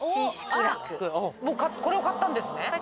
もうこれを買ったんですね？